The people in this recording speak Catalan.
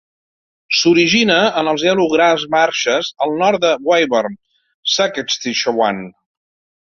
S'origina en els Yellow Grass Marshes al nord de Weyburn, Saskatchewan.